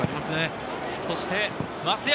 そして増山。